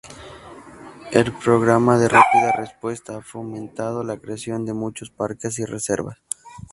El "Programa de Rápida Respuesta" ha fomentado la creación de muchos parques y reservas.